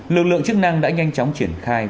lực lượng chức năng đã nhanh chóng triển khai